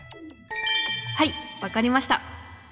はい分かりました。